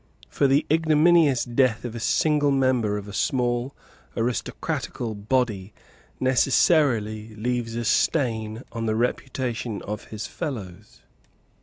For the ignominious death of a single member of a small aristocratical body necessarily leaves a stain on the reputation of his fellows.